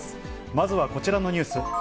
まずはこちらのニュース。